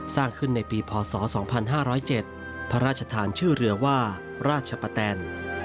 สร้างขึ้นในปีพศ๒๕๐๗พระราชทานชื่อเรือว่าราชปะแตน